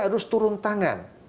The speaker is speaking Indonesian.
harus turun tangan